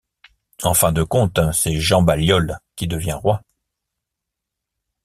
En fin de compte, c'est Jean Balliol qui devient roi.